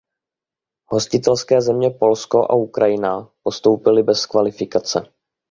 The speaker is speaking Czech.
Hostitelské země Polsko a Ukrajina postoupily bez kvalifikace.